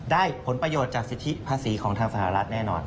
ผลประโยชน์จากสิทธิภาษีของทางสหรัฐแน่นอน